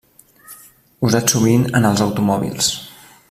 Usats sovint en els automòbils.